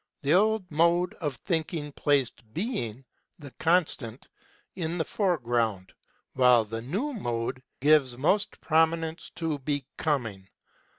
The old mode of thinking placed Being [the Constant] in the foreground, while the new mode gives most prominence to Becoming.